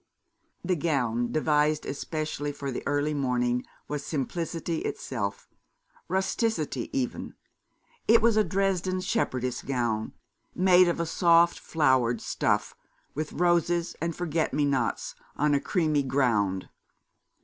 The gown, devised especially for the early morning, was simplicity itself rusticity, even. It was a Dresden shepherdess gown, made of a soft flowered stuff, with roses and forget me nots on a creamy ground.